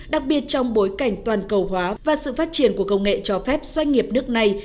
đặc biệt trong bối cảnh toàn cầu hóa và sự phát triển của công nghệ cho phép doanh nghiệp nước này